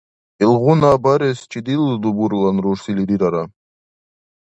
Илгъуна барес чидил дубурлан рурсили рирара?